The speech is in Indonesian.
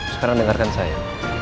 sekarang dengarkan saya